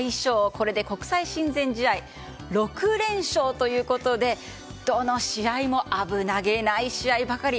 これで国際親善試合６連勝でどの試合も危なげない試合ばかり。